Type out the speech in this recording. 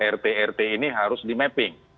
rt rt ini harus di mapping